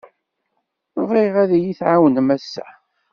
Bɣiɣ ad iyi-tɛawnem ass-a.